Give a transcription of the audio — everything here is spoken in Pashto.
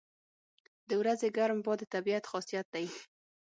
• د ورځې ګرم باد د طبیعت خاصیت دی.